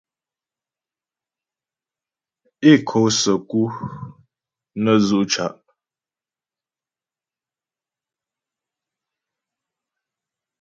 É kǒ səku nə́ dzʉ' ca'.